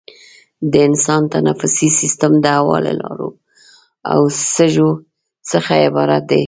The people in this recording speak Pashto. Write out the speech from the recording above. د انسان تنفسي سیستم د هوا له لارو او سږو څخه عبارت دی.